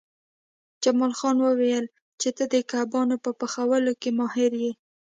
جمال خان وویل چې ته د کبابونو په پخولو کې ماهر یې